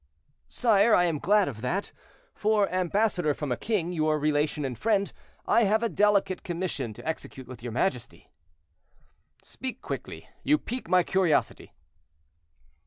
"Sire, I am glad of that; for, ambassador from a king, your relation and friend, I have a delicate commission to execute with your majesty." "Speak quickly—you pique my curiosity."